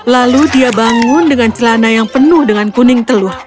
lalu dia bangun dengan celana yang penuh dengan kuning telur